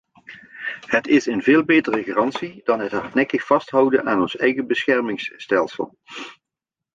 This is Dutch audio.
Het is een veel betere garantie dan het hardnekkig vasthouden aan ons eigen beschermingsstelsel.